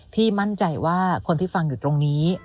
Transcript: มั่นใจว่าคนที่ฟังอยู่ตรงนี้